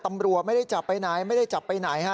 ตำรวจไม่ได้จับไปไหนไม่ได้จับไปไหนฮะ